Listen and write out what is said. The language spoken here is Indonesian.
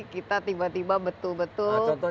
kita tiba tiba betul betul